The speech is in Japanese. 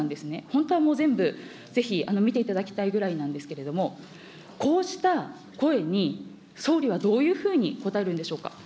本当はもう全部、ぜひ、見ていただきたいぐらいなんですけれども、こうした声に総理はどういうふうに答えるんでしょうか。